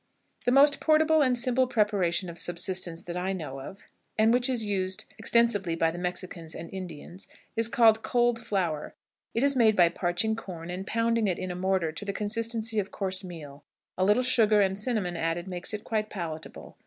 The most portable and simple preparation of subsistence that I know of, and which is used extensively by the Mexicans and Indians, is called "cold flour." It is made by parching corn, and pounding it in a mortar to the consistency of coarse meal; a little sugar and cinnamon added makes it quite palatable.